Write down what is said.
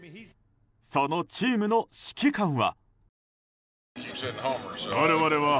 そのチームの指揮官は。